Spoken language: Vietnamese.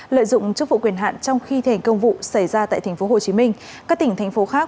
lợi dụng chức vụ quyền hạn trong khi thành công vụ xảy ra tại tp hcm các tỉnh thành phố khác